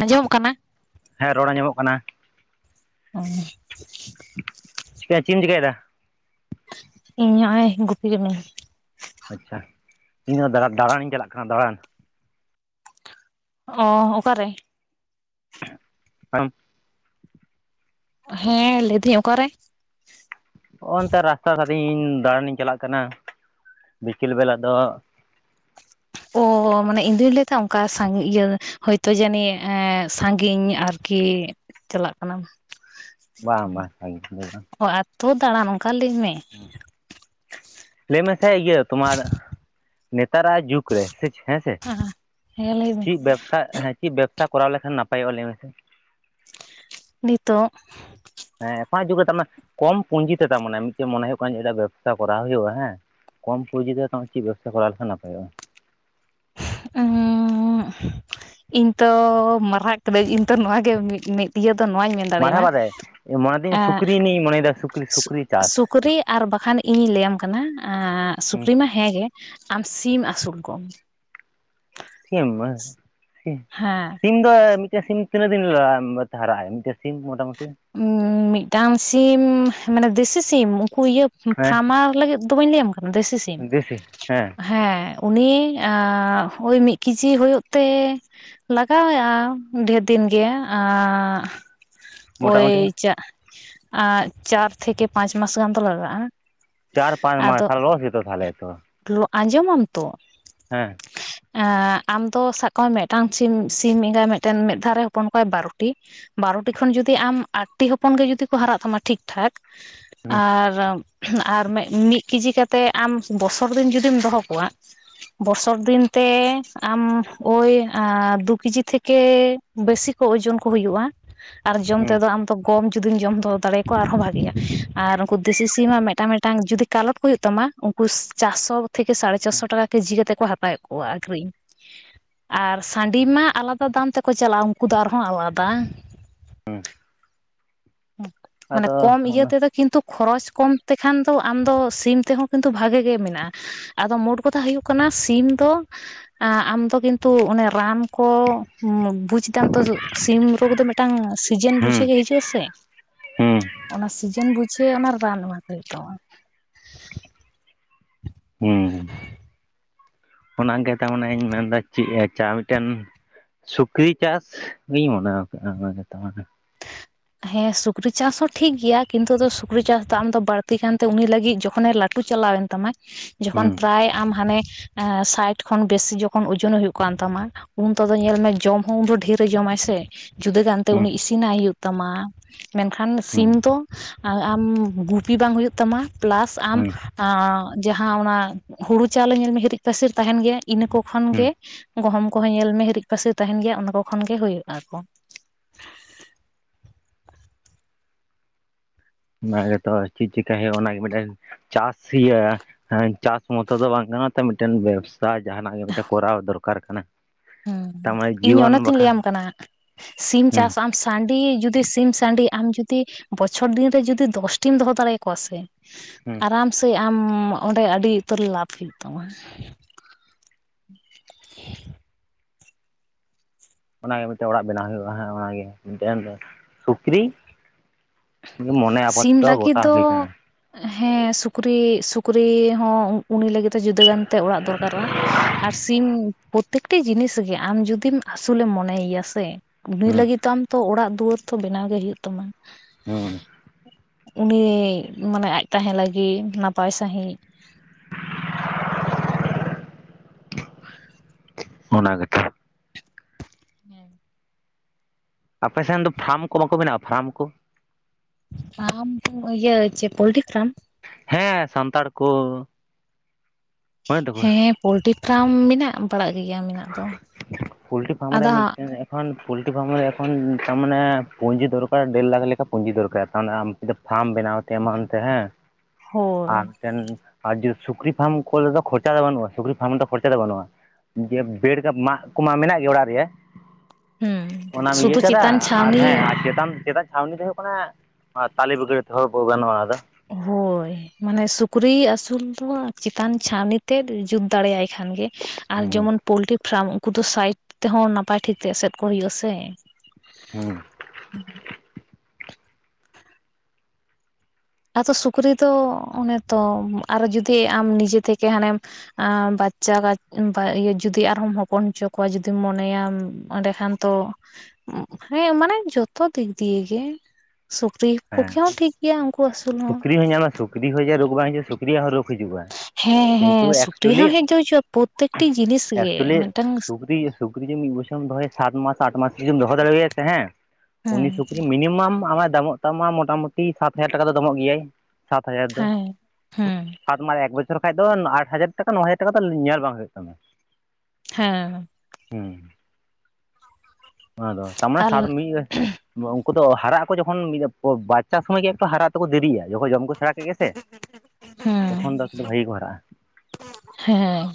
ᱟᱸᱡᱚᱢᱚᱜ ᱠᱟᱱᱟ ᱦᱮᱸ ᱨᱚᱲ ᱟᱡᱚᱢᱚᱜ ᱠᱟᱱᱟ। ᱚ ᱪᱤᱠᱟᱹᱭ ᱪᱮᱫ ᱮᱢ ᱪᱤᱠᱟᱹᱭ ᱫᱟ? ᱤᱧ ᱱᱚᱜ-ᱚᱭ ᱜᱩᱯᱤ ᱠᱟᱹᱱᱟᱹᱧ। ᱟᱪᱪᱷᱟ ᱤᱧ ᱦᱚ ᱫᱟᱲᱟᱱ ᱫᱟᱲᱟᱱᱤᱧ ᱪᱟᱞᱟᱜ ᱠᱟᱱᱟ ᱫᱟᱲᱟᱱ। ᱚᱻ ᱚᱠᱟᱨᱮ [unintelligible] ᱦᱮᱸ ᱞᱟᱹᱭᱫᱤᱧ ᱚᱠᱟᱨᱮ? ᱱᱚᱜᱼᱚᱱᱛᱮ ᱨᱟᱥᱛᱟ ᱫᱟᱨᱤ ᱤᱧ ᱫᱟᱲᱟᱱᱤᱧ ᱪᱟᱞᱟᱜ ᱠᱟᱱᱟ ᱵᱤᱠᱮᱞ ᱵᱮᱞᱟ ᱫᱚ ᱚ ᱢᱟᱱᱮ ᱤᱧᱫᱩᱧ ᱞᱟᱹᱭᱮᱫ ᱛᱟᱦᱮ ᱚᱱᱠᱟ ᱥᱟ ᱤᱭᱟᱹ ᱦᱚᱭᱛᱚ ᱡᱟᱹᱱᱤᱡ ᱮ ᱥᱟᱺᱜᱤᱧ ᱟᱨᱠᱤ ᱪᱟᱞᱟᱜ ᱠᱟᱱᱟᱢ ᱵᱟᱝ ᱵᱟᱝ ᱥᱟᱺᱜᱤᱧ ᱫᱚ ᱚ ᱟᱛᱳ ᱫᱟᱲᱟᱱ ᱚᱱᱠᱟ ᱞᱟᱹᱭ ᱢᱮ ᱦᱩᱸ ᱞᱟᱹᱭ ᱢᱮᱥᱮ ᱤᱭᱟᱹ ᱛᱳᱢᱟᱨ ᱱᱮᱛᱟᱨᱟᱜ ᱡᱩᱜᱽ ᱨᱮ ᱥᱮ ᱦᱮᱸ ᱥᱮ ᱟ ᱦᱮᱸ ᱞᱟᱹᱭ ᱢᱮ ᱪᱮᱫ ᱵᱮᱵᱽᱥᱟ ᱦᱮᱸ ᱪᱮᱫ ᱵᱮᱵᱽᱥᱟ ᱠᱚᱨᱟᱣ ᱞᱮᱠᱷᱟᱱ ᱱᱟᱯᱟᱭᱚᱜᱼᱟ ᱞᱟᱹᱭ ᱢᱮᱥᱮ? ᱱᱤᱛᱚᱜ ᱦᱮᱸ [unintelligible] ᱠᱚᱢ ᱯᱩᱸᱡᱤ ᱛᱮ ᱫᱟᱢ ᱢᱟᱱᱮ ᱢᱤᱫᱴᱮᱡ ᱢᱚᱱᱮ ᱦᱩᱭᱩᱜ ᱠᱟᱱᱟ ᱵᱮᱵᱥᱟ ᱠᱚᱨᱟᱣ ᱦᱩᱭᱩᱜᱼᱟ ᱦᱮᱸ ᱠᱚᱢ ᱯᱚᱸᱡᱤ ᱛᱮ ᱪᱮᱫ ᱵᱮᱵᱥᱟ ᱠᱚᱨᱟᱣ ᱞᱮᱠᱷᱟᱱ ᱱᱟᱯᱟᱭᱚᱜᱼᱟ ᱩᱸᱜᱻ ᱤᱧ ᱛᱚ ᱢᱟᱨᱦᱟ ᱠᱟᱱᱟᱹᱧ ᱤᱧ ᱛᱚ ᱱᱚᱣᱟ ᱜᱮ ᱢᱤᱫ ᱢᱤᱫ ᱤᱭᱟᱹ ᱫᱚ ᱱᱚᱣᱟᱧ ᱢᱮᱱ ᱫᱟᱲᱮᱭᱟᱢᱟ ᱢᱟᱨᱦᱟᱵᱟ ᱨᱮ ᱢᱚᱱᱮᱫᱟᱹᱧ ᱮᱸᱜ ᱥᱩᱠᱨᱤ ᱱᱤᱭᱮᱧ ᱢᱚᱱᱮᱭᱮᱫᱟ ᱥᱩᱠᱨᱤ ᱥᱩᱠᱨᱤ ᱪᱟᱥ ᱥᱩᱠᱨᱤ ᱟᱨ ᱵᱟᱠᱷᱟᱱ ᱤᱧᱤᱧ ᱞᱟᱹᱭᱟᱢ ᱠᱟᱱᱟ ᱟᱸᱜᱻ ᱦᱩᱸ ᱥᱩᱠᱨᱤ ᱢᱟ ᱦᱮᱸ ᱜᱮ ᱟᱢ ᱥᱤᱢ ᱟᱹᱥᱩᱞ ᱠᱚᱢ ᱥᱤᱢ ᱵᱟᱝ ᱦᱮᱸ ᱥᱤᱢ ᱥᱤᱢ ᱫᱚ ᱢᱤᱫᱴᱮᱱ ᱥᱤᱢ ᱛᱤᱱᱟᱹᱜ ᱫᱤᱱ ᱦᱟᱨᱟᱜᱼᱟ ᱢᱤᱫᱴᱮᱱ ᱥᱤᱢ ᱢᱚᱴᱟ ᱢᱩᱴᱤ ᱢᱤᱫᱴᱟᱝ ᱥᱤᱢ ᱢᱟᱱᱮ ᱫᱮᱥᱤ ᱥᱤᱢ ᱩᱱᱠᱩ ᱤᱭᱟᱹ ᱦᱮᱸ ᱯᱷᱟᱨᱢᱟᱨ ᱞᱟᱹᱜᱤᱫ ᱫᱚᱢᱟᱹᱧ ᱞᱟᱹᱭᱟᱢ ᱠᱟᱱᱟ ᱫᱮᱥᱤ ᱥᱤᱢ ᱫᱮᱥᱤ ᱦᱮᱸ ᱦᱮᱸ ᱩᱱᱤ ᱟᱻ ᱳᱭ ᱢᱤᱫ ᱠᱤᱡᱤ ᱦᱳᱭᱳᱜ ᱛᱮ ᱞᱟᱜᱟ ᱟᱭᱟ ᱰᱷᱮᱨ ᱫᱤᱱ ᱜᱮ ᱟᱨ ᱳᱭ ᱢᱚᱴᱟᱢᱩᱴᱤ ᱪᱟ ᱟᱸᱜ ᱪᱟᱨ ᱛᱷᱮᱠᱮ ᱯᱟᱸᱪ ᱢᱟᱥ ᱜᱟᱱ ᱫᱚ ᱞᱟᱜᱟᱜᱼᱟ ᱪᱟᱨ ᱯᱟᱸᱪ ᱢᱟᱥ ᱛᱟᱦᱚᱞᱮ ᱞᱚᱥ ᱜᱮᱛᱚ ᱛᱟᱦᱚᱞᱮ ᱛᱚ ᱞᱚ ᱟᱸᱡᱚᱢᱟᱢ ᱛᱚ ᱦᱮᱸ [unintelligible] ᱮᱜᱻ ᱟᱢ ᱫᱚ ᱥᱟᱵ ᱠᱟᱜ ᱢᱮᱫᱴᱟᱝ ᱥᱤᱢ ᱥᱤᱢ ᱮᱸᱜᱟᱭ ᱢᱮᱫᱴᱮᱱ ᱢᱤᱫ ᱫᱷᱟᱣ ᱨᱮᱭ ᱦᱚᱯᱚᱱ ᱠᱚᱣᱟᱭ ᱵᱟᱨᱚᱴᱤ ᱵᱟᱨᱚᱴᱤ ᱠᱷᱚᱱ ᱡᱩᱫᱤ ᱟᱢ ᱟᱴᱴᱤ ᱦᱚᱯᱚᱱ ᱜᱮ ᱡᱩᱫᱤ ᱠᱚ ᱦᱟᱨᱟᱜ ᱛᱟᱢᱟ ᱴᱷᱤᱠᱴᱷᱟᱠ ᱦᱩᱸ ᱟᱨ ᱟᱨ ᱢᱮᱜ ᱢᱤᱫ ᱠᱤᱡᱤ ᱠᱟᱛᱮᱫ ᱟᱢ ᱵᱚᱥᱚᱨ ᱫᱤᱱ ᱡᱩᱫᱤᱢ ᱫᱚᱦᱚ ᱠᱚᱣᱟ ᱵᱚᱥᱷᱚᱨ ᱫᱤᱱ ᱛᱮ ᱟᱢ ᱳᱭ ᱫᱩ ᱠᱤᱡᱤ ᱛᱷᱮᱠᱮ ᱵᱮᱥᱤ ᱠᱚ ᱳᱡᱚᱱ ᱠᱚ ᱦᱩᱭᱩᱜ-ᱟ ᱟᱨ ᱡᱚᱢ ᱦᱩᱸ ᱛᱮᱫᱚ ᱟᱢ ᱫᱚ ᱜᱚᱢ ᱡᱩᱫᱤᱢ ᱡᱚᱢ ᱫᱚᱦᱚ ᱫᱟᱲᱮᱭᱟ ᱟᱠᱚᱣᱟ ᱟᱨᱦᱚᱸ ᱵᱷᱟᱜᱮ-ᱟ ᱟᱨ ᱩᱱᱠᱩ ᱫᱮᱥᱤ ᱥᱤᱢᱟᱜ ᱢᱤᱫᱴᱟᱝ ᱢᱤᱫᱴᱟᱝ ᱡᱩᱫᱤ ᱠᱟᱞᱚᱴ ᱠᱚ ᱦᱩᱭᱩᱜ ᱛᱟᱢᱟ ᱩᱱ ᱩᱥ ᱪᱟᱨᱥᱚ ᱛᱷᱮᱠᱮ ᱥᱟᱲᱮ ᱪᱟᱨᱥᱚ ᱴᱟᱠᱟ ᱠᱤᱡᱤ ᱠᱟᱛᱮᱫ ᱠᱚ ᱦᱟᱛᱟᱣᱮᱫ ᱠᱚᱣᱟ ᱟᱠᱷᱨᱤᱧ ᱟᱨ ᱥᱟᱺᱰᱤ ᱢᱟ ᱟᱞᱟᱫᱟ ᱫᱟᱢ ᱛᱮᱠᱚ ᱪᱟᱞᱟᱜ-ᱟ ᱩᱱᱠᱩ ᱫᱚ ᱟᱨᱦᱚᱸ ᱟᱞᱟᱫᱟ ᱢᱟᱱᱮ ᱟᱫᱚ ᱠᱚᱢ ᱤᱭᱟᱹ ᱚᱱᱟ ᱛᱮᱫᱚ ᱠᱤᱱᱛᱩ ᱠᱷᱚᱨᱚᱪ ᱠᱚᱢ ᱛᱮᱠᱷᱟᱱ ᱫᱚ ᱟᱢᱫᱚ ᱥᱤᱢ ᱛᱮᱦᱚᱸ ᱠᱤᱱᱛᱩ ᱵᱷᱟᱜᱮ ᱜᱮ ᱢᱮᱱᱟᱜ-ᱟ᱾ ᱟᱫᱚ ᱢᱳᱴ ᱠᱚᱛᱷᱟ ᱦᱩᱭᱩᱜ ᱠᱟᱱᱟ ᱥᱤᱢ ᱫᱚ ᱮ ᱟᱢ ᱫᱚ ᱠᱤᱱᱛᱩ ᱚᱱᱮ ᱨᱟᱱ ᱠᱚ ᱵᱩᱡᱫᱟᱢ ᱛᱚ ᱥᱤᱢ ᱨᱳᱜᱽ ᱫᱚ ᱢᱤᱫ ᱢᱤᱫᱴᱟᱝ ᱥᱤᱡᱮᱱ ᱦᱩᱸ ᱵᱩᱡᱷᱮ ᱜᱮ ᱦᱤᱡᱩᱜ-ᱟᱥᱮ᱾ ᱦᱩᱸ, ᱚᱱᱟ ᱥᱤᱡᱮᱱ ᱵᱩᱡᱷᱮ ᱚᱱᱟ ᱨᱟᱱ ᱮᱢᱟ ᱠᱚ ᱦᱩᱭᱩᱜ ᱛᱟᱢᱟ᱾ ᱦᱩᱸ ᱚᱱᱟ ᱜᱮ ᱛᱟᱢᱟᱱᱮᱧ ᱢᱮᱱᱫᱟ ᱪᱮᱫ ᱪᱟ ᱢᱤᱫᱴᱮᱱ ᱥᱩᱠᱨᱤ ᱪᱟᱥ ᱜᱤᱧ ᱢᱚᱱᱮ ᱟᱠᱟᱫ-ᱟ ᱡᱚᱛᱚ ᱢᱟᱱᱮ᱾ ᱦᱮᱸ ᱥᱩᱠᱨᱤ ᱪᱟᱥ ᱦᱚᱸ ᱴᱷᱤᱠ ᱜᱮᱭᱟ ᱠᱤᱱᱛᱩ ᱥᱩᱠᱨᱤ ᱪᱟᱥ ᱫᱟᱢ ᱫᱚ ᱵᱟᱹᱲᱛᱤ ᱠᱟᱱᱛᱮ ᱩᱱᱤ ᱞᱟᱹᱜᱤᱫ ᱡᱚᱠᱷᱚᱱᱮ ᱞᱟᱹᱴᱩ ᱪᱟᱞᱟᱣᱮᱱ ᱛᱟᱢᱟ ᱡᱚᱠᱷᱚᱱ ᱦᱩᱸ ᱯᱨᱟᱭ ᱟᱢ ᱦᱟᱱᱮ ᱮ ᱥᱟᱭᱴ ᱠᱷᱚᱱ ᱵᱮᱥᱤ ᱡᱚᱠᱷᱚᱱ ᱳᱡᱚᱱᱮ ᱦᱩᱭᱩᱜ ᱠᱟᱱ ᱛᱟᱢᱟ ᱩᱱ ᱛᱮᱫᱚ ᱧᱮᱞ ᱢᱮ ᱡᱚᱢ ᱦᱚᱸ ᱩᱱ ᱫᱚ ᱰᱷᱨᱮ ᱮ ᱡᱚᱢᱟᱭ ᱥᱮ ᱡᱩᱫᱟᱹ ᱜᱟᱱᱛᱮ ᱦᱩᱸ ᱩᱱᱤ ᱤᱥᱤᱱᱟᱭ ᱩᱭᱩᱜ ᱛᱟᱢᱟ ᱢᱮᱱᱠᱷᱟᱱ ᱦᱩᱸ ᱥᱤᱢ ᱫᱚ ᱟᱢ ᱜᱩᱯᱤ ᱵᱟᱝ ᱦᱩᱭᱩᱜ ᱛᱟᱢᱟ ᱯᱞᱟᱥ ᱟᱢ ᱦᱩᱸ ᱡᱟᱦᱟᱸ ᱚᱱᱟ ᱦᱩᱲᱩ ᱪᱟᱣᱞᱮ ᱧᱮᱞ ᱢᱮ ᱦᱤᱨᱤᱡ ᱯᱟᱹᱥᱤᱨ ᱛᱟᱦᱮᱱ ᱜᱮᱭᱟ ᱤᱱᱟᱹ ᱠᱚ ᱠᱷᱚᱱ ᱦᱩᱸ ᱜᱮ ᱜᱚᱦᱚᱢ ᱠᱚᱦᱚᱸ ᱧᱮᱞᱢᱮ ᱦᱤᱨᱤᱡ ᱯᱟᱹᱥᱤᱨ ᱛᱟᱦᱮᱱ ᱜᱮᱭᱟ ᱚᱱᱟ ᱠᱚ ᱠᱷᱚᱱᱜᱮ ᱦᱩᱭᱩᱜ-ᱟᱠᱚ᱾ ᱚᱱᱟ ᱜᱮᱛᱚ ᱪᱮᱫ ᱪᱤᱠᱟᱹᱭ ᱦᱩᱭᱩᱜ-ᱟ ᱚᱱᱟᱜᱮ ᱢᱤᱫᱴᱮᱱ ᱪᱟᱥ ᱤᱭᱟᱹ ᱦᱮᱸ ᱪᱟᱥ ᱢᱚᱛᱚ ᱫᱚ ᱵᱟᱝ ᱠᱟᱱᱟ ᱛᱚ ᱢᱤᱫᱴᱮᱱ ᱵᱮᱵᱽᱥᱟ ᱡᱟᱦᱟᱱᱟᱜ ᱜᱮ ᱢᱤᱫᱴᱮᱱ ᱠᱚᱨᱟᱣ ᱫᱚᱨᱠᱟᱨ ᱠᱟᱱᱟ᱾ ᱦᱩᱸ ᱛᱟᱨᱢᱟᱱᱮ ᱤᱧ ᱡᱤᱭᱚᱱ ᱚᱱᱮ ᱛᱩᱧ ᱞᱟᱹᱭ ᱟᱢ ᱵᱟᱠᱷᱟᱱ ᱠᱟᱱᱟ ᱥᱤᱢ ᱪᱟᱥ ᱦᱩᱸ ᱟᱢ ᱥᱟᱺᱰᱤ ᱡᱩᱫᱤ ᱥᱤᱢ ᱥᱟᱺᱰᱤ ᱟᱢ ᱡᱩᱫᱤ ᱵᱚᱪᱷᱚᱨ ᱫᱤᱱ ᱨᱮ ᱡᱩᱫᱤ ᱫᱚᱥᱴᱤᱢ ᱫᱚᱦᱚ ᱫᱟᱲᱮᱭᱟᱠᱚᱣᱟ ᱥᱮ ᱦᱩᱸ ᱟᱨᱟᱢ ᱥᱮ ᱟᱢ ᱚᱸᱰᱮ ᱟᱹᱰᱤ ᱩᱛᱟᱹᱨ ᱞᱟᱵᱷ ᱦᱩᱭᱩᱜ ᱛᱟᱢᱟ᱾ ᱚᱱᱟᱜᱮ ᱢᱤᱫᱴᱮᱱ ᱚᱲᱟᱜ ᱵᱮᱱᱟᱣ ᱦᱩᱭᱩᱜ-ᱟ ᱦᱮᱸ ᱚᱱᱟᱜᱮ ᱢᱤᱫᱴᱮᱱ ᱥᱩᱠᱨᱤ ᱢᱚᱱᱮ ᱟᱯᱟᱛᱚ ᱥᱤᱢ ᱛᱚ ᱞᱟᱹᱜᱤᱫ ᱜᱚᱴᱟ ᱫᱚ ᱦᱩᱭ ᱟᱠᱟᱱᱟ᱾ ᱦᱮᱸ ᱥᱩᱠᱨᱤ ᱥᱩᱠᱨᱤ ᱦᱚᱸ ᱩᱱᱤ ᱞᱟᱹᱜᱤᱫ ᱡᱩᱫᱟᱹ ᱜᱟᱱᱛᱮ ᱚᱲᱟᱜ ᱫᱚᱨᱠᱟᱨᱚᱜ-ᱟ ᱟᱨ ᱥᱤᱢ ᱯᱨᱚᱛᱛᱮᱠᱴᱤ ᱡᱤᱱᱤᱥ ᱜᱮ ᱟᱢ ᱡᱩᱫᱤᱢ ᱟᱹᱥᱩᱞᱮᱢ ᱢᱚᱱᱮᱭᱮᱭᱟ ᱥᱮ ᱩᱱᱤ ᱦᱩᱸ ᱞᱟᱹᱜᱤᱫ ᱟᱢ ᱛᱚ ᱚᱲᱟᱜ ᱫᱩᱣᱟᱹᱨ ᱛᱚ ᱵᱮᱱᱟᱣ ᱜᱮ ᱦᱳᱭᱳᱜ ᱛᱟᱢᱟ᱾ ᱦᱩᱸ, ᱩᱱᱤ ᱢᱟᱱᱮ ᱟᱡ ᱛᱟᱦᱮᱸ ᱞᱟᱹᱜᱤᱫ ᱱᱟᱯᱟᱭ ᱥᱟᱺᱦᱤᱡ᱾ ᱚᱱᱟ ᱜᱮᱛᱚ᱾ ᱦᱮᱸ ᱟᱯᱮᱥᱮᱱ ᱫᱚ ᱯᱷᱨᱢ ᱠᱚ ᱵᱟᱠᱚ ᱵᱮᱱᱟᱣᱟ ᱯᱷᱨᱢ ᱠᱚ? ᱯᱨᱟᱢ ᱤᱭᱟᱹ ᱪᱮ ᱯᱳᱞᱴᱨᱤ ᱯᱷᱟᱨᱢ? ᱦᱮᱸ ᱥᱟᱱᱛᱟᱲ ᱠᱚ᱾ ᱵᱟᱹᱱᱩᱜ ᱛᱟᱠᱚᱣᱟ ᱦᱮᱸ ᱯᱳᱞᱴᱨᱤ ᱯᱷᱟᱨᱢ ᱢᱮᱱᱟᱜ ᱵᱟᱲᱟᱜ ᱜᱮᱭᱟ ᱢᱮᱱᱟᱜ ᱫᱚ᱾ ᱯᱳᱞᱴᱨᱤ ᱯᱷᱟᱨ ᱟᱫᱚ ᱢᱤᱫ ᱦᱟᱸᱜ ᱮᱠᱷᱟᱱ ᱯᱳᱞᱴᱨᱤ ᱯᱷᱟᱨᱢ ᱨᱮ ᱮᱠᱷᱚᱱ ᱛᱟᱨᱢᱟᱱᱮ ᱯᱩᱸᱡᱤ ᱫᱚᱨᱠᱟᱨ ᱰᱮᱲ ᱞᱟᱠᱷ ᱞᱮᱠᱟ ᱯᱩᱸᱡᱤ ᱫᱚᱨᱠᱟᱨ ᱛᱟᱨ ᱢᱟᱱᱮ ᱟᱢ ᱫᱚ ᱯᱷᱟᱨᱢ ᱵᱮᱱᱟᱣ ᱛᱮ ᱮᱢᱟᱱᱛᱮ ᱦᱮᱸ ᱦᱳᱭ ᱟᱨ ᱢᱤᱫᱮᱱ ᱟᱨ ᱥᱩᱠᱨᱤ ᱯᱷᱟᱨᱢ ᱠᱚᱞᱫᱚ ᱠᱷᱚᱨᱪᱟ ᱫᱚ ᱵᱟᱹᱱᱩᱜ-ᱟ ᱥᱩᱠᱨᱤ ᱯᱷᱟᱨᱢ ᱨᱮᱫᱚ ᱠᱷᱚᱨᱪᱟ ᱫᱚ ᱵᱟᱹᱱᱩᱜ-ᱟ᱾ ᱵᱮᱲ ᱢᱟᱜ ᱠᱚᱢᱟ ᱢᱮᱱᱟᱜ ᱜᱮᱭᱟ ᱚᱲᱟᱜ ᱨᱮ᱾ ᱦᱩᱸ ᱚᱱᱟᱢ ᱤᱭᱟᱹ ᱥᱩᱫᱷᱩ ᱠᱟᱫᱟ ᱪᱮᱛᱟᱱ ᱟᱨ ᱪᱷᱟᱣᱱᱤ ᱦᱮᱸ ᱟᱨ ᱪᱮᱛᱟᱢ ᱪᱮᱫᱟᱜ᱾ ᱪᱷᱟᱣᱱᱤ ᱫᱚ ᱦᱩᱭᱩᱜ ᱠᱟᱱᱟ ᱛᱟᱞᱮ ᱵᱟᱹᱜᱽᱲᱟᱹ ᱛᱮ ᱦᱚᱸ ᱜᱟᱱᱚᱜᱼᱟ ᱚᱱᱟ ᱫᱚ᱾ ᱦᱳᱭ ᱢᱟᱱᱮ ᱥᱩᱠᱨᱤ ᱟᱹᱥᱩᱞ ᱫᱚ ᱪᱮᱛᱟᱱ ᱪᱷᱟᱱᱤ ᱛᱮ ᱡᱩᱛ ᱫᱟᱲᱮᱭᱟᱭ ᱾ ᱠᱷᱟᱱ ᱜᱮ ᱟᱨ ᱦᱩᱸ ᱡᱮᱢᱚᱱ ᱯᱳᱞᱴᱨᱤ ᱯᱷᱟᱨᱢ ᱩᱱᱠᱩ ᱫᱚ ᱥᱟᱭᱤᱴ ᱛᱮᱦᱚᱸ ᱱᱟᱯᱟᱭ ᱴᱷᱤᱠ ᱛᱮ ᱮᱥᱮᱫ ᱠᱚ ᱦᱩᱭᱩᱜᱼᱟᱥᱮ᱾ ᱦᱩᱸ [unintelligible] ᱟᱫᱚ ᱥᱩᱠᱨᱤ ᱫᱚ ᱚᱱᱮ ᱛᱚ ᱟᱨᱚ ᱡᱩᱫᱤ ᱟᱢ ᱱᱤᱡᱮ ᱛᱮᱠᱮ ᱦᱟᱱᱮᱢ᱾ ᱟᱸ ᱵᱟᱪᱪᱟ ᱡᱩᱫᱤ ᱟᱨᱦᱚᱢ ᱦᱚᱯᱚᱱ ᱦᱚᱪᱚ ᱠᱚᱣᱟ ᱡᱩᱫᱤᱢ ᱢᱚᱱᱮᱭᱟ ᱮᱸᱰᱮ ᱠᱷᱟᱱ᱾ ᱛᱚ ᱦᱮᱸ ᱢᱟᱱᱮ ᱡᱚᱛᱚ ᱫᱤᱠ ᱫᱤᱭᱮ ᱜᱮ᱾ ᱥᱩᱠᱨᱤ ᱯᱚᱠᱷᱮ ᱦᱮᱸ ᱦᱚᱸ ᱴᱷᱤᱠ ᱜᱮᱭᱟ᱾ ᱩᱱᱠᱩ ᱟᱹᱥᱩᱞ ᱥᱩᱠᱨᱤ ᱦᱚᱸ ᱧᱟᱢᱟ ᱥᱩᱠᱨᱤ ᱦᱚᱸ ᱡᱮ ᱨᱳᱜᱽ ᱵᱟᱝ ᱦᱤᱡᱩᱜᱼᱟ ᱥᱩᱠᱨᱤᱭᱟᱜ ᱦᱚᱸ ᱨᱳᱜᱽ ᱦᱤᱡᱩᱜᱼᱟ᱾ ᱦᱮᱸ ᱦᱮᱸ ᱠᱤᱱᱛᱩ ᱥᱩᱠᱨᱤ ᱮᱠᱪᱩᱭᱮᱞᱤ ᱦᱚᱸ ᱦᱮᱡ ᱫᱚ ᱦᱤᱡᱩᱜᱼᱟ ᱯᱨᱚᱛᱮᱠᱴᱤ ᱡᱤᱱᱤᱥ ᱜᱮ ᱮᱠᱪᱩᱭᱮᱞᱤ ᱢᱤᱫᱴᱟᱝ᱾ ᱥᱩᱠᱨᱤ ᱥᱩᱠᱨᱤ ᱢᱤᱫ ᱵᱚᱪᱷᱮᱢ ᱫᱚᱦᱭᱟ ᱥᱟᱛ ᱢᱟᱥ ᱟᱴ ᱢᱟᱥ ᱨᱮᱩᱢ ᱫᱚᱦᱚ ᱫᱟᱲᱮᱣᱟᱭᱟ ᱦᱮᱸ᱾ ᱩᱱᱤ ᱦᱮᱸ ᱥᱩᱠᱨᱤ ᱢᱤᱱᱤᱢᱟᱢ ᱟᱢᱟᱜ ᱫᱟᱢᱚᱜ ᱛᱟᱢᱟ ᱢᱚᱴᱟᱢᱩᱴᱤ, ᱥᱟᱛ ᱦᱟᱡᱟᱨ ᱴᱟᱠᱟ ᱫᱚ ᱫᱟᱢᱚᱜ ᱜᱮᱭᱟᱭ᱾ ᱥᱟᱛ ᱦᱟᱡᱟᱨ ᱫᱚ ᱦᱮᱸ ᱦᱮᱸ ᱟᱴ ᱢᱟᱨ ᱮᱠ ᱵᱚᱪᱷᱚᱨ ᱠᱷᱟᱡ ᱫᱚ ᱟᱴ ᱦᱟᱡᱟᱨ ᱴᱟᱠᱟ ᱱᱚ ᱦᱟᱡᱟᱨ ᱴᱟᱠᱟ ᱫᱚ ᱧᱮᱞ ᱵᱟᱝ ᱦᱩᱭᱩᱜ ᱛᱟᱢᱟ᱾ ᱦᱮᱸ ᱩᱸ ᱟᱫᱚ [inaudible] ᱟᱨ ᱥᱟᱛ ᱢᱤᱫ ᱩᱱᱠᱩ ᱫᱚ ᱦᱟᱨᱟᱜ ᱟᱠᱚ ᱡᱚᱠᱷᱚᱱ, ᱵᱟᱪᱪᱟ ᱥᱚᱢᱚᱭ ᱜᱮ ᱮᱠᱴᱩ ᱦᱟᱨᱟᱜ ᱛᱮᱠᱚ ᱫᱮᱨᱤᱜᱼᱟ ᱡᱚᱠᱷᱚᱱ ᱡᱚᱢ ᱠᱚ ᱥᱮᱲᱟ᱾ ᱴᱷᱤᱠ ᱜᱮ ᱥᱮ ᱦᱮᱸ ᱛᱚᱠᱷᱚᱱ ᱫᱚ ᱵᱷᱟᱹᱜᱤ ᱠᱚ ᱦᱟᱨᱟᱜᱼᱟ᱾ ᱦᱮᱸ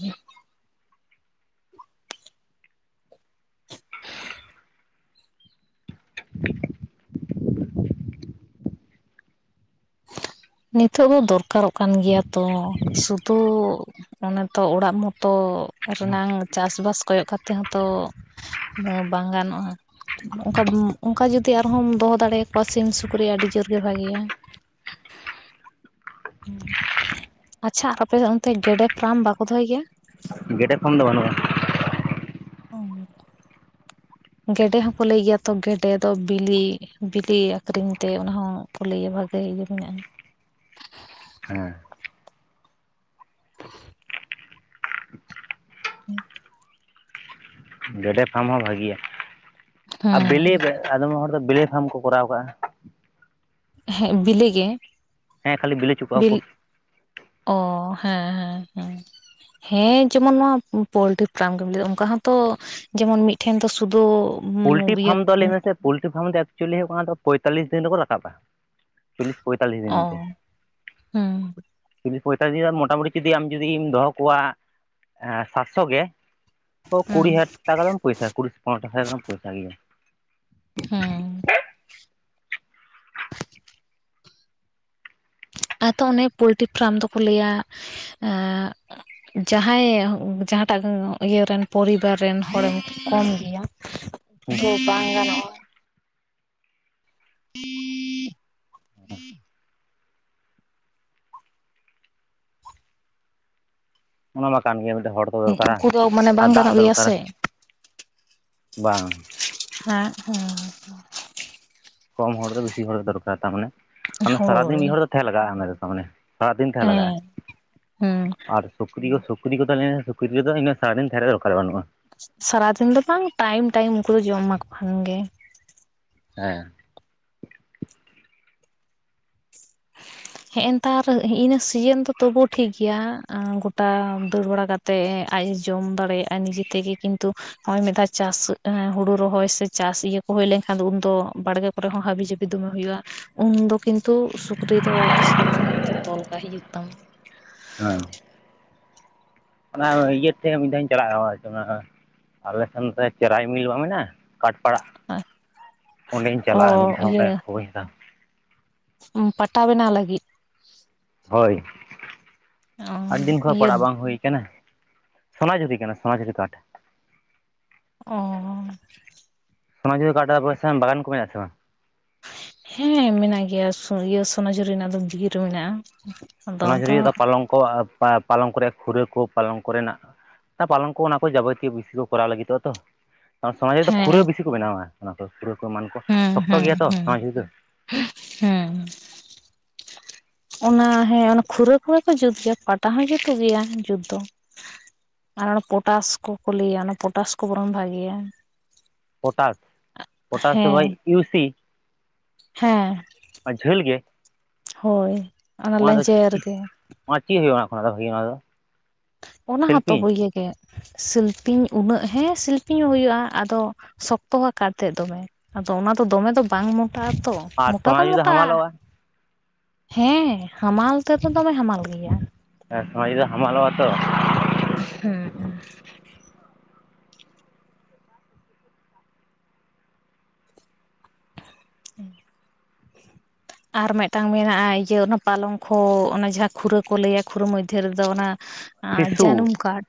[unintelligible] ᱱᱤᱛᱚᱜ ᱫᱚ ᱫᱚᱨ ᱠᱟᱨᱚᱜ ᱠᱟᱱ ᱜᱮᱭᱟ ᱛᱚ ᱥᱩᱫᱩ᱾ ᱚᱱᱮ ᱛᱚ ᱚᱲᱟᱜ ᱢᱚᱛᱚ ᱨᱮᱱᱟᱝ᱾ ᱪᱟᱥ ᱵᱟᱥ ᱠᱚᱭᱚᱜ ᱠᱟᱛᱮ ᱦᱚᱸᱛᱚ ᱵᱟᱝ ᱜᱟᱱᱚᱜᱼᱟ ‌ᱚᱱᱠᱟ᱾ ᱚᱱᱠᱟ ᱡᱩᱫᱤ ᱟᱨ ᱦᱚᱢ ᱫᱚᱦᱚ ᱫᱟᱲᱮ ᱟᱠᱚᱣᱟ ᱥᱤᱢ ᱥᱩᱠᱨᱤ ᱟᱹᱰᱤ ᱡᱳᱨ ᱜᱮ ᱵᱷᱟᱜᱮ ᱭᱟ᱾ ᱟᱪᱪᱷᱟ ᱟᱯᱮ ᱚᱱᱛᱮ ᱜᱮᱰᱮ ᱯᱷᱟᱨᱟᱢ ᱵᱟᱠᱚ ᱫᱚᱦᱚᱭ ᱜᱮᱭᱟ᱾ ᱜᱮᱰᱮ ᱯᱷᱟᱨᱟᱢ ᱫᱚ ᱵᱟᱹᱱᱩᱜᱼᱟ᱾ [unintelligible] ᱜᱮᱰᱮ ᱦᱚᱸᱠᱚ ᱞᱟᱹᱭ ᱜᱮᱭᱟ ᱛᱚ ᱜᱮᱰᱮ ᱫᱚ ᱵᱤᱞᱤ᱾ ᱵᱤᱞᱤ ᱟᱠᱷᱨᱤᱧ ᱛᱮ ᱚᱱᱟ ᱦᱚᱸ ᱠᱚ ᱞᱟᱹᱭᱼᱟ ᱵᱷᱟᱜᱮ ᱜᱮ ᱤᱭᱟᱹ ᱢᱮᱱᱟᱜᱼᱟ᱾ ᱦᱮᱸ [unintelligible] [unintelligible] ᱜᱮᱰᱮ ᱯᱷᱮᱨᱟᱢ ᱦᱚᱸ ᱵᱷᱟᱹᱜᱤᱼᱟ ᱦᱮᱸ ᱵᱤᱞᱤ ᱟᱫᱚᱢ ᱦᱚᱲ ᱫᱚ ᱵᱤᱞᱤ ᱯᱷᱮᱨᱟᱢ ᱠᱚ ᱠᱚᱨᱟᱣ ᱠᱟᱜᱼᱟ ᱦᱮᱸ ᱵᱮᱞᱮᱜ ᱜᱮ ᱦᱮᱸ ᱠᱷᱟᱹᱞᱤ ᱵᱤᱞᱤ ᱚᱪ ᱠᱚᱣᱟ ᱵᱤᱞ ᱠᱚ᱾ ᱚ ᱦᱮᱸ ᱦᱮᱸ ᱦᱮᱸ ᱦᱮᱸ ᱡᱮᱢᱚᱱ ᱱᱚᱣᱟ ᱯᱳᱞᱴᱨᱤ ᱯᱷᱮᱨᱟᱢ ᱜᱮᱢ ᱞᱟᱹᱭ ᱫᱟ ᱚᱱᱠᱟ ᱦᱚᱸᱛᱚ᱾ ᱡᱮᱢᱚᱱ ᱢᱤᱫ ᱴᱷᱮᱱ ᱫᱚ ᱥᱩᱫᱩ᱾ ᱯᱳᱞᱴᱤ ᱤᱭᱟᱹ ᱯᱷᱟᱢ ᱫᱚ ᱞᱟᱹᱭ ᱢᱮ ᱥᱮ ᱯᱳᱞᱴᱤ ᱯᱷᱟᱢ ᱫᱚ ᱮᱠᱪᱩᱭᱤᱞᱤ ᱦᱩᱭᱩᱜ ᱠᱟᱱᱟ ᱯᱚᱸᱭᱛᱟᱞᱤᱥ ᱫᱤᱱ ᱨᱮᱠᱚ ᱨᱟᱠᱟᱵᱟ ᱪᱚᱞᱞᱤᱥ ᱯᱚᱸᱭᱛᱟᱞᱤᱥ ᱫᱤᱱ ᱚ ᱛᱮ ᱦᱩᱸ ᱪᱚᱞᱞᱤᱥ ᱯᱚᱸᱭᱛᱟᱞᱤᱥ ᱢᱚᱴᱟ ᱢᱩᱴᱤ ᱡᱩᱫᱤ ᱟᱢ ᱡᱩᱫᱤᱢ ᱫᱚᱦᱚ ᱠᱚᱣᱟ ᱥᱟᱛ ᱥᱚ ᱜᱮ᱾ ᱛᱚ ᱦᱩᱸ ᱠᱩᱲᱤ ᱦᱟᱡᱟᱨ ᱴᱟᱠᱟ ᱯᱚᱭᱥᱟ ᱠᱩᱲᱤ ᱯᱚᱱᱮᱨᱚ ᱦᱟᱡᱟᱨ ᱯᱚᱭᱥᱟᱹᱭ ᱜᱮᱭᱟ᱾ ᱦᱮᱸ ᱟᱫᱚ ᱚᱱᱮ ᱯᱳᱞᱴᱨᱤ ᱯᱷᱟᱨᱟᱢ ᱫᱚᱠᱚ ᱞᱟᱹᱭᱼᱟ ᱮᱸ᱾ ᱡᱟᱸᱦᱟᱭ ᱡᱟᱦᱟ ᱴᱟᱜ ᱤᱭᱟᱹ ᱨᱮᱱ ᱯᱚᱨᱤᱵᱟᱨ ᱨᱮᱱ ᱦᱚᱲ ᱮᱢ ᱠᱚᱢ ᱜᱮᱭᱟ᱾ ᱦᱮᱸ ᱵᱟᱝ ᱜᱟᱱᱚᱜᱼᱟ [unintelligible] ᱚᱱᱳ ᱚᱱᱟ ᱠᱟᱱ ᱜᱮᱭᱟ ᱢᱤᱫ ᱴᱮᱱ ᱦᱚᱲ ᱠᱚ ᱫᱚᱨ ᱠᱟᱨᱟ ᱩᱱᱠᱩ ᱫᱚ ᱢᱟᱱᱮ ᱟᱨ ᱵᱟᱝ ᱫᱟᱜ ᱜᱟᱱᱚᱜ ᱫᱚᱨ ᱜᱮᱭᱟ ᱠᱟᱨᱟ᱾ ᱥᱮ ᱵᱟᱝ ᱦᱮᱸ - ᱦᱩᱸ ᱠᱚᱢ ᱦᱚᱲ ᱫᱚ ᱵᱮᱥᱤ ᱦᱚᱲ ᱫᱚ ᱫᱚᱨ ᱠᱟᱨ, ᱛᱟᱨ ᱢᱟᱱᱮ ᱥᱟᱨᱟ ᱫᱤᱱ ᱦᱳᱭ ᱢᱤᱫ ᱦᱚᱲ ᱫᱚ ᱛᱟᱦᱮᱸ ᱞᱟᱜᱟᱜᱼᱟ᱾ ᱚᱱᱟ ᱫᱚ ᱛᱟᱨ ᱢᱟᱱᱮ ᱥᱟᱨᱟ ᱫᱤᱱ ᱛᱟᱦᱮᱸ ᱞᱟᱜᱟᱜᱼᱟ᱾ ᱦᱮᱸ ᱦᱩᱸ ᱟᱨ ᱥᱩᱠᱨᱤ ᱠᱚ ᱥᱩᱠᱨᱤ ᱠᱚ ᱛᱟᱦᱮᱸ ᱞᱮᱱᱟ ᱥᱩᱠᱨᱤ ᱨᱮᱫᱚ ᱤᱱᱟᱹ ᱥᱟᱨᱟ ᱫᱤᱱ ᱛᱟᱦᱮᱸ ᱨᱮ ᱫᱚᱨᱠᱟᱨ ᱵᱟᱹᱱᱩᱜᱼᱟ᱾ ᱥᱟᱨᱟ ᱫᱤᱱ ᱫᱚ ᱵᱟᱝ ᱴᱟᱭᱤᱢ ᱴᱟᱭᱤᱢ ᱩᱱᱠᱩ ᱫᱚ ᱡᱚᱢ ᱮᱢᱟ ᱠᱚ ᱠᱷᱟᱱ ᱜᱮ᱾ ᱦᱮᱸ ᱦᱮᱸᱮ ᱱᱮᱛᱟᱨ ᱦᱤᱸᱤᱱᱟᱹ ᱥᱤᱡᱤᱱ ᱫᱚ ᱛᱚᱵᱩ ᱴᱷᱤᱠ ᱜᱮᱭᱟ᱾ ᱜᱚᱴᱟ ᱫᱟᱹᱲ ᱵᱟᱲᱟ ᱛᱮ ᱟᱡ ᱮ ᱡᱚᱢ ᱫᱟᱲᱮᱭᱟᱜᱼᱟ ᱱᱤᱡᱮ ᱛᱮ ᱜᱮ ᱠᱤᱱᱛᱩ ᱱᱚᱜᱼᱚᱭ ᱢᱤᱫ ᱫᱷᱟᱣ ᱪᱟᱥ ᱦᱩᱲᱩ ᱨᱚᱦᱚᱭ ᱥᱮ ᱪᱟᱥ ᱤᱭᱟᱹ ᱠᱚ ᱦᱩᱭ ᱞᱮᱱ ᱠᱷᱟᱱ ᱫᱚ ᱩᱱᱫᱚ ᱵᱟᱲᱜᱮ ᱨᱮ ᱦᱚᱸᱦᱟᱹᱵᱤ ᱡᱟᱹᱵᱤ ᱫᱚᱢᱮ ᱦᱩᱭᱩᱜᱼᱟ᱾ ᱩᱱᱫᱚ ᱠᱤᱱᱛᱩ ᱥᱩᱠᱨᱤ ᱫᱚ, ᱥᱚᱵᱽ ᱥᱚᱢᱚᱭ ᱫᱚ ᱛᱚᱞ ᱠᱟᱜ ᱦᱩᱭᱩᱜ ᱛᱟᱢᱟ᱾ ᱦᱮᱸ ᱚᱱᱟ ᱤᱭᱟᱹᱛᱮ ᱢᱤᱫ ᱫᱷᱟᱣ ᱤᱧ ᱪᱟᱞᱟᱣ ᱦᱚᱭ ᱫᱚᱢᱮ ᱦᱚᱭ ᱟᱨ ᱟᱞᱮ ᱥᱮᱱ ᱪᱮᱨᱟᱭ ᱢᱤᱞ ᱵᱟᱝ ᱢᱮᱱᱟᱜᱼᱟ᱾ ᱠᱟᱴ ᱯᱟᱲᱟᱜ ᱚᱸᱰᱮᱧ ᱚ ᱪᱟᱞᱟᱜᱼᱟ᱾ ᱢᱤᱫ ᱫᱷᱟᱣ ᱚᱸᱰᱮ ᱤᱭᱟᱹ [unintelligible] ᱯᱟᱴᱟ ᱵᱮᱱᱟᱣ ᱞᱟᱹᱜᱤᱫ? ᱦᱳᱭ ᱚ ᱟᱹᱰᱤ ᱫᱤᱱ ᱠᱷᱚᱱ ᱤᱭᱟᱹ ᱯᱟᱲᱟᱜ ᱵᱟᱝ ᱦᱩᱭ ᱠᱟᱱᱟ᱾ ᱥᱚᱱᱟ ᱡᱷᱩᱨᱤ ᱠᱟᱱᱟ ᱥᱚᱱᱟ ᱡᱷᱩᱨᱤ ᱠᱟᱴ᱾ ᱚᱸᱻ ᱥᱚᱱᱟ ᱡᱷᱩᱨᱤ ᱠᱟᱴ ᱟᱨ ᱟᱯᱮ ᱥᱮᱱ ᱵᱟᱜᱟᱱ ᱠᱚ ᱢᱮᱱᱟᱜᱼᱟ ᱥᱮ ᱵᱟᱝ? ᱦᱮᱸ ᱢᱮᱱᱟᱜ ᱜᱮᱭᱟ ᱤᱭᱟᱹ ᱥᱚᱱᱟ ᱡᱷᱩᱨᱤ ᱨᱮᱱᱟᱜ ᱫᱚ ᱵᱤᱨ ᱢᱮᱱᱟᱜᱼᱟ᱾ ᱟᱫᱚ ᱥᱚᱱᱟ ᱟᱫᱚ ᱡᱷᱩᱨᱤᱭᱟᱹ ᱫᱚ ᱯᱟᱞᱚᱝ ᱠᱚ ᱯᱟᱞᱚᱝ ᱠᱚ ᱨᱮᱭᱟᱜ ᱠᱷᱩᱨᱟᱹ ᱠᱚ ᱯᱟᱞᱚᱝ ᱠᱚ ᱨᱮᱱᱟᱜ ᱚᱱᱟ ᱯᱟᱞᱚᱱ ᱠᱚ ᱚᱱᱟ ᱠᱚ ᱡᱟᱵᱚᱛᱤᱭᱚ ᱵᱤᱥᱤ ᱠᱚ ᱠᱚᱨᱟᱣ ᱞᱟᱹᱜᱤᱫᱚᱜᱼᱟ ᱛᱚ᱾ ᱥᱳᱱᱟ ᱠᱩᱨᱤ ᱫᱚ ᱠᱟᱨᱚᱱ ᱥᱚᱢᱟᱡᱽ ᱨᱮᱫᱚ ᱠᱷᱩᱨᱟᱹ ᱦᱮᱸ ᱵᱤᱥᱤ ᱠᱚ ᱵᱮᱱᱟᱣᱟ᱾ ᱚᱱᱟ ᱠᱚ ᱠᱷᱩᱨᱟᱹ ᱠᱚ ᱢᱟᱱ ᱠᱚ ᱥᱚᱠᱛᱚ ᱜᱮᱭᱟ ᱛᱚ ᱥᱚᱢᱟᱡᱽ ᱨᱮᱫᱚ᱾ ᱦᱩᱸ ᱚᱱᱟ ᱦᱮᱸ ᱚᱱᱟ ᱠᱷᱩᱨᱟᱹ ᱠᱚ ᱠᱚ ᱡᱩᱛ ᱜᱮᱭᱟ ᱯᱟᱴᱟ ᱦᱚᱸ ᱡᱩᱛᱩᱜ ᱜᱮᱭᱟ ᱡᱩᱛ ᱫᱚ᱾ ᱟᱨ ᱚᱱᱟ ᱯᱚᱴᱟᱥ ᱠᱚᱠᱚ ᱞᱟᱹᱭᱟ ᱚᱱᱟ ᱯᱚᱴᱟᱥ ᱠᱚ ᱵᱚᱨᱚᱱ ᱵᱷᱟᱜᱮᱭᱟ᱾ ᱯᱚᱴᱟᱥ ᱯᱚᱴᱟᱥ ᱫᱚ ᱦᱮᱸ ᱤᱭᱩᱥᱤ ᱦᱮᱸ ᱡᱷᱟᱹᱞ ᱜᱮ ᱦᱳᱭ ᱚᱱᱟ ᱞᱮᱧᱡᱮᱨᱮᱨ ᱜᱮ ᱟᱨ ᱪᱮᱫ ᱦᱩᱭᱩᱜᱼᱟ ᱚᱱᱟ ᱠᱷᱚᱱᱟᱜ ᱫᱚ ᱚᱱᱟ ᱫᱚ᱾ ᱚᱱᱟ ᱦᱚᱸᱛᱚ ᱥᱮᱞᱯᱤᱧ ᱤᱭᱟᱹᱟᱹᱜ ᱜᱮ ᱥᱤᱞᱯᱤᱧ ᱩᱱᱟᱹᱜ ᱦᱮᱸ ᱥᱤᱞᱯᱤᱧ ᱦᱚᱸ ᱦᱩᱭᱩᱜᱼᱟ ᱟᱫᱚ ᱥᱚᱠᱛᱚ ᱠᱟᱨᱛᱮ ᱫᱚᱢᱮ᱾ ᱟᱫᱚ ᱚᱱᱟ ᱫᱚ ᱫᱚᱢᱮ ᱫᱚ ᱵᱟᱝ ᱢᱚᱴᱟᱜ ᱟᱛᱚ ᱟᱨ ᱢᱳᱚᱴᱟ ᱫᱚ ᱥᱚᱱᱟᱡᱷᱩᱨᱤ ᱢᱚᱴᱟᱜᱼᱟ᱾ ᱦᱟᱢᱟᱞᱚᱜᱼᱟ ᱦᱮᱸ ᱦᱟᱢᱟᱞ ᱛᱮᱫᱚ ᱫᱚᱢᱮ ᱦᱟᱢᱟᱞ ᱜᱮᱭᱟ᱾ ᱦᱮᱸ ᱥᱚᱱᱟ ᱡᱩᱨᱤ ᱫᱚ ᱦᱟᱢᱟᱞᱚᱜ ᱟᱛᱚ᱾ ᱦᱩᱸ - [inaudible] ᱟᱨ ᱢᱤᱫᱴᱟᱝ ᱢᱮᱱᱟᱜᱼᱟ᱾ ᱤᱭᱟᱹ ᱚᱱᱟ ᱯᱟᱞᱚᱝᱠᱷᱚ ᱚᱱᱟ ᱡᱟᱦᱟᱸ ᱠᱷᱩᱨᱟ ᱠᱚ ᱞᱟᱹᱭᱟ ᱠᱷᱩᱨᱟ ᱢᱚᱫᱽᱫᱷᱮ ᱨᱮᱫᱚ ᱚᱱᱟ᱾ ᱟᱨ ᱥᱤᱥᱩ ᱡᱟᱹᱱᱩᱢ ᱠᱟᱨᱰ,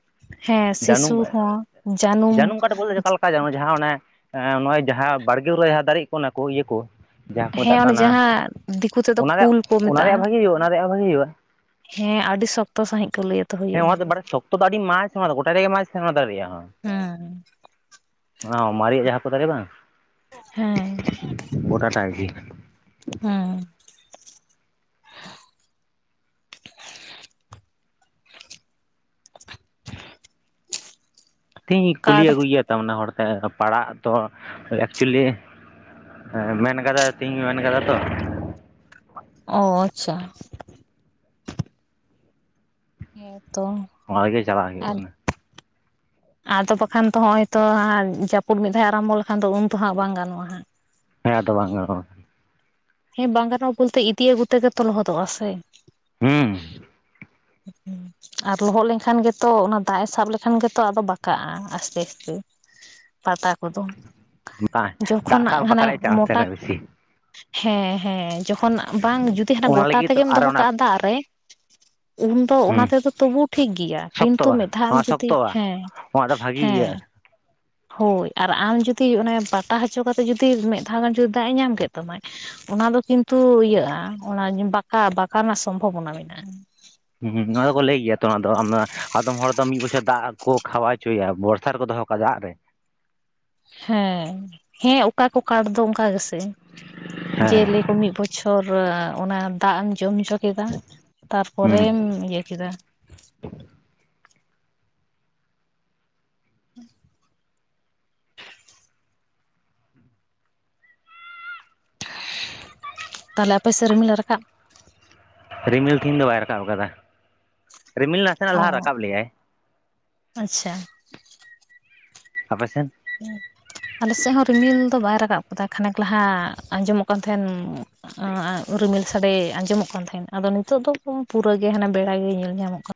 ᱦᱮᱸ ᱡᱟᱹᱱᱩᱢ ᱥᱤᱥᱩ ᱦᱚᱸ ᱡᱟᱹᱱᱩᱢ ᱡᱮᱱᱚ ᱡᱟᱦᱟᱸ ᱚᱱᱮ ᱱᱚᱜᱼᱚᱭ ᱡᱟᱦᱟᱸ ᱵᱟᱲᱜᱮ ᱡᱟᱦᱟᱸ ᱫᱟᱨᱮᱜ ᱠᱚ ᱚᱱᱟ ᱠᱚ ᱤᱭᱟᱹ ᱠᱚ᱾ ᱡᱟᱦᱟᱸ ᱠᱚ ᱦᱮᱸ ᱢᱮᱛᱟᱜ ᱚᱱᱮ ᱠᱟᱱᱟ, ᱡᱟᱦᱟᱸ ᱫᱤᱠᱩ ᱛᱮᱫᱚ ᱚᱱᱟ ᱨᱮᱭᱟᱜ ᱠᱩᱞ ᱠᱚ ᱚᱱᱟ ᱨᱮᱭᱟᱜ ᱢᱮᱛᱟᱜᱼᱟ ᱵᱷᱟᱜᱤ ᱦᱩᱭᱩᱜᱼᱟ ᱾ ᱚᱱᱟ ᱨᱮᱭᱟᱜ ᱵᱷᱟᱜᱮ ᱦᱩᱭᱩᱜᱼᱟ᱾ ᱦᱮᱸ ᱟᱹᱰᱤ ᱥᱚᱠᱛᱚ ᱥᱟᱹᱦᱤᱡ ᱠᱚ ᱞᱟᱹᱭᱟ᱾ ᱛᱚ ᱦᱮᱸ ᱦᱩᱭᱩᱜᱼᱟ ᱚᱱᱟ ᱫᱚ ᱵᱟᱨ ᱥᱚᱠᱛᱚ ᱫᱚ ᱟᱹᱰᱤ ᱢᱟᱡ ᱚᱱᱟ ᱫᱚ ᱜᱚᱴᱟ ᱨᱮᱜᱮ ᱢᱟᱡ ᱛᱟᱦᱮ ᱚᱱᱟ ᱫᱚ ᱫᱟᱲᱮᱭᱟᱜᱼᱟ᱾ ᱦᱚ ᱸ ᱦᱮᱸ ᱚᱱᱟ ᱢᱟᱨᱮᱭᱟᱜ ᱡᱟᱦᱟᱸ ᱠᱚ ᱫᱟᱨᱮᱟ ᱵᱟᱝ᱾ ᱦᱮᱸ ᱜᱚᱴᱟ ᱴᱟᱜ ᱜᱮ᱾ ᱦᱩᱸ ᱛᱤᱦᱤᱧ ᱠᱩᱞᱤ ᱠᱟᱴ ᱟᱹᱜᱩᱭ ᱭᱟ, ᱛᱟᱢᱚᱱᱮ ᱦᱚᱲ ᱛᱮ ᱯᱟᱲᱟᱜ ᱛᱚ ᱮᱠᱪᱩᱭᱮᱞᱤ ᱦᱮᱸ- ᱦᱮᱸ ᱢᱮᱱ ᱠᱟᱫᱟ ᱛᱤᱦᱤᱧ ᱢᱮᱱ ᱠᱟᱫᱟ ᱛᱚ᱾ ᱚᱻ ᱟᱪᱪᱷᱟ ᱾ ᱦᱮᱸ, ᱛᱚ ᱾ ᱚᱱᱟ ᱨᱮᱜᱮ, ᱪᱟᱞᱟᱜ ᱦᱩᱭᱩᱜ ᱠᱟᱱᱟ‌ ᱾ ᱟᱫᱚ ᱵᱟᱠᱷᱟᱱ ᱛᱚ, ᱦᱚᱜᱼᱚᱭ ᱛᱚ ᱦᱟᱸᱜ ᱡᱟᱹᱯᱩᱫ, ᱢᱤᱫ ᱫᱷᱟᱣ ᱟᱨᱟᱢᱵᱷᱚ ᱞᱮᱠᱷᱟᱱ ᱫᱚ, ᱩᱱ ᱛᱚ ᱦᱟᱸᱜ ᱵᱟᱝ ᱜᱟᱱᱚᱜᱼᱟ? ᱦᱟᱸᱜ ᱾ ᱦᱮᱸ, ᱟᱫᱚ ᱵᱟᱝᱟ ᱜᱟᱱᱚᱜ-ᱟ? ᱦᱮᱸ ᱵᱟᱝ ᱜᱟᱱᱚᱜ ᱵᱚᱞᱛᱮ, ᱤᱫᱤ ᱟᱜᱩ ᱛᱮᱜᱮ ᱛᱚ, ᱞᱚᱦᱚᱫᱚᱜᱼᱟ ᱥᱮ ᱾ ᱦᱩᱸ ᱾ ᱦ [inaudible] ᱟᱨ ᱞᱚᱦᱚᱫ ᱞᱮᱱᱠᱷᱟᱱ ᱜᱮᱛᱚ, ᱚᱱᱟ ᱫᱟᱜ ᱮ ᱥᱟᱵ ᱞᱮᱠᱷᱟᱱ ᱜᱮᱛᱚ, ᱟᱫᱚ ᱵᱟᱸᱠᱟᱜᱼᱟ, ᱟᱥᱛᱮ-ᱟᱥᱛᱮ ᱾ ᱯᱟᱴᱟ ᱠᱚᱫᱚ, ᱫᱟᱜ ᱡᱚᱠᱷᱚᱱ ᱥᱟᱵ ᱦᱟᱱᱮ, ᱵᱟᱠᱷᱨᱟᱡ ᱪᱟᱱᱥ ᱢᱚᱴᱟ ᱛᱟᱦᱮᱱᱟ ᱵᱮᱥᱤ ᱦᱮᱸᱻᱦᱮᱸ ᱾ ᱡᱚᱠᱷᱚᱱ ᱵᱟᱝ, ᱡᱩᱫᱤ ᱦᱟᱱᱟ ᱚᱱᱟ ᱜᱚᱴᱟ, ᱞᱟᱹᱜᱤᱫ ᱛᱚ ᱛᱮᱜᱮᱢ ᱟᱨ ᱫᱚᱦᱚ ᱚᱱᱟ ᱠᱟᱜᱼᱟ ᱾ ᱫᱟᱜ ᱨᱮ? ᱩᱱᱫᱚ, ᱚᱱᱟ ᱦᱩᱸ ᱛᱮᱫᱚ, ᱛᱚᱵᱩ ᱴᱷᱤᱠ ᱜᱮᱭᱟ ᱾ ᱠᱤᱱᱛᱩ ᱥᱚᱠᱛᱚᱜᱼᱟ ᱢᱤᱫ ᱫᱷᱟᱣ, ᱟᱢ ᱱᱚᱣᱟ ᱡᱩᱫᱤ? ᱥᱚᱠᱛᱚᱜᱼᱟ ᱦᱮᱸ ᱾ [inaudible] ᱫᱚ ᱵᱷᱟᱜᱤ ᱤᱭᱟᱜᱼᱟ ᱾ ᱦᱳᱭ! ᱟᱨ ᱟᱢ ᱡᱩᱫᱤ? ᱚᱱᱟ ᱯᱟᱴᱟ ᱦᱚᱪᱚ, ᱠᱟᱛᱮᱫ ᱡᱩᱫᱤ, ᱢᱤᱫ ᱫᱷᱟᱣ ᱜᱟᱱ, ᱡᱩᱫᱤ ᱫᱟᱜ-ᱮ, ᱧᱟᱢ ᱠᱮᱫ ᱛᱟᱢᱟ? ᱚᱱᱟ ᱫᱚ ᱠᱤᱱᱛᱩ ᱤᱭᱟᱹᱜᱼᱟ ᱾ ᱚᱱᱟ, ᱵᱟᱸᱠᱟ, ᱵᱟᱸᱠᱟᱜᱼᱟ ᱨᱮᱱᱟᱜ ᱥᱚᱢᱵᱷᱚᱵᱚᱱᱟ ᱢᱮᱱᱟᱜᱼᱟ ᱾ ᱦᱩᱸ, ᱦᱩᱸ, ᱱᱚᱣᱟ ᱫᱚᱠᱚ ᱞᱟᱹᱭ ᱜᱮᱭᱟ ᱛᱚ, ᱚᱱᱟ ᱫᱚ ᱟᱻᱟᱫᱚᱢ ᱦᱚᱲ ᱫᱚ ᱢᱤᱫ ᱵᱚᱪᱷᱚᱨ ᱫᱟᱜ ᱠᱚ, ᱠᱷᱟᱣᱟᱣ ᱪᱚᱭᱟ ᱾ ᱵᱚᱨᱥᱟ ᱨᱮᱠᱚ ᱫᱚᱦᱚ ᱠᱚ ᱚᱠᱟ ᱫᱟᱜ ᱨᱮ? ᱦᱮᱸ, ᱦᱮᱸᱻ ᱚᱠᱟ ᱠᱚ ᱠᱟᱴ ᱫᱚ? ᱚᱱᱠᱟ ᱜᱮᱥᱮ ᱾ ᱦᱮᱸ ᱡᱮᱞᱮᱠ ᱢᱤᱫ ᱵᱚᱪᱷᱚᱨ, ᱚᱱᱟ ᱫᱟᱜ ᱮᱢ ᱡᱚᱢ ᱡᱷᱚᱜᱽ ᱠᱮᱫᱟ ᱾ ᱦᱩᱸ ᱛᱟᱨᱯᱚᱨᱮᱢ ᱤᱭᱟᱹ ᱠᱮᱫᱟ ᱾ ᱦᱮᱸ ᱤᱼᱭᱼᱟᱼᱵ ᱛᱟᱞᱮ, ᱟᱯᱮ ᱥᱮᱫ ᱨᱤᱢᱤᱞᱮ ᱨᱟᱠᱟᱵ ᱨᱤᱢᱤᱞ ᱛᱷᱤᱦᱤᱱ ᱫᱚ, ᱵᱟᱭ ᱨᱟᱠᱟᱵ ᱟᱠᱟᱫᱟ? ᱨᱤᱢᱤᱞ ᱱᱟ ᱱᱟᱥᱮᱱᱟᱜ, ᱚ ᱞᱟᱦᱟ ᱨᱟᱠᱟᱵ ᱞᱮᱼᱟᱭ ᱟᱪᱪᱷᱟ ᱾ ᱟᱯᱮ ᱥᱮᱱ? [inaudible] ᱟᱞᱮ ᱥᱮᱫ ᱦᱚᱸ, ᱨᱤᱢᱤᱞ ᱫᱚ ᱵᱟᱭ ᱨᱟᱠᱟᱵ ᱠᱟᱫᱟ ᱾ ᱠᱷᱟᱱᱮᱠ ᱞᱟᱦᱟ ᱟᱸᱡᱚᱢᱚᱜ ᱠᱟᱱ ᱛᱟᱦᱮᱱ ᱾ ᱚᱸᱼᱟᱸ, ᱨᱤᱢᱤᱞ ᱥᱟᱰᱮ ᱟᱸᱡᱚᱢᱚᱜ ᱠᱟᱱ ᱛᱟᱦᱮᱸᱱ, ᱟᱫᱚ ᱱᱤᱛᱳᱜ ᱫᱚ ᱯᱩᱨᱟ ᱜᱮ, ᱦᱟᱱᱮ ᱵᱮᱲᱟ ᱜᱮᱭ ᱧᱮᱞ ᱧᱟᱢᱚᱜ ᱠᱟᱱᱟ ᱾